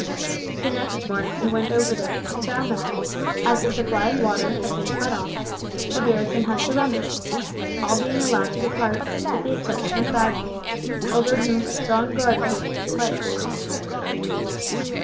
The next morning he went over there and found that, as the supply of water had been cut off, the garrison had surrendered; all being allowed to depart, with the exception of Bajee, over whom a strong guard had been placed.